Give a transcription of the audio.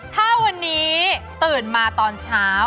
ถ้าวันนี้ตื่นมาตอนเช้า